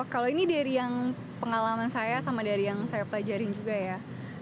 kalau ini dari yang pengalaman saya sama dari yang saya pelajari juga ya